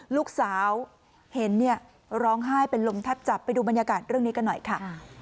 ลูกสาวเห็นเนี่ยร้องไห้เป็นลมแทบจับไปดูบรรยากาศเรื่องนี้กันหน่อยค่ะ